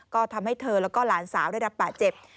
ก็ทำให้เธอแล้วก็หลานสาวได้รับบาดเจ็บ